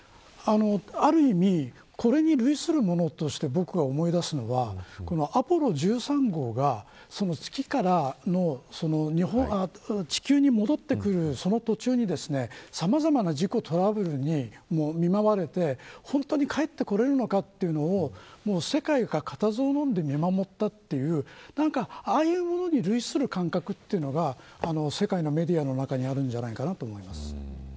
ある意味、これに類するものとして、僕が思い出すのはアポロ１３号が月から地球に戻ってくるその途中にさまざまな事故、トラブルに見舞われて本当に帰ってこれるのかというのを世界が固唾をのんで見守ったというああいうものに類する感覚が世界のメディアの中にあるんじゃないかなと思います。